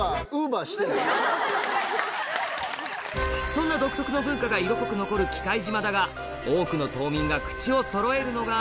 そんな独特の文化が色濃く残る喜界島だが多くの島民が口をそろえるのが